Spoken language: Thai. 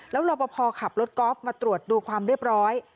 แล้วรอปภขับรถกอล์ฟมาตรวจดูความเรียบร้อย